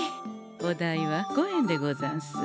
お代は５円でござんす。